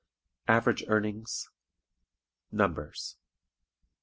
Average Earnings. Numbers.